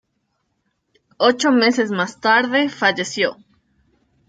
Ocho meses más tarde, falleció.